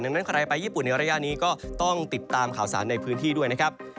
ดังนั้นใครไปญี่ปุ่นในระยะนี้ก็ต้องติดตามข่าวสารในพื้นที่ด้วยนะครับ